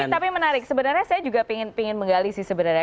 tapi menarik sebenarnya saya juga ingin menggali sih sebenarnya